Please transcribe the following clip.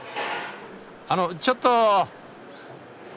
あのちょっと！